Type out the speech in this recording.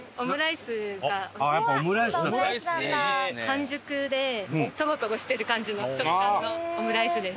半熟でトロトロしてる感じの食感のオムライスです。